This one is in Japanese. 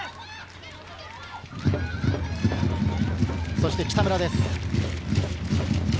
そして北村です。